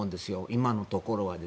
今のところは。